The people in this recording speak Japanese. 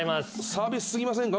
サービス過ぎませんか？